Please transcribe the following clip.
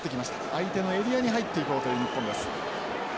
相手のエリアに入っていこうという日本です。